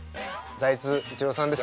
財津一郎さんですね。